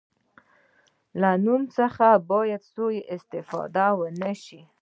له نوم څخه باید سوء استفاده ونه شي.